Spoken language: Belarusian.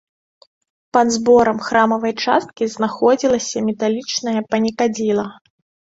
Пад зборам храмавай часткі знаходзілася металічнае панікадзіла.